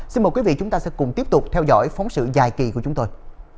xin mời quý vị chúng ta sẽ cùng tiếp tục theo dõi phóng sự dài kỳ của chúng tôi